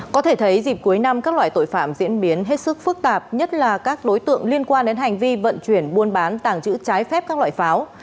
có thể thấy dịp cuối năm các loại tội phạm diễn biến hết sức phức tạp nhất là các đối tượng liên quan đến hành vi vận chuyển buôn bán tàng trữ trái phép các loại pháo